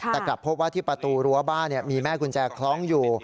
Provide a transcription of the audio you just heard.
แต่กลับพบว่าที่ประตูรั้วบ้านมีแม่กุญแจคล้องอยู่